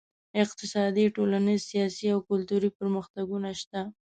اقتصادي، ټولنیز، سیاسي او کلتوري پرمختګونه شته.